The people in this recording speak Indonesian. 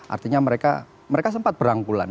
artinya mereka sempat berangkulan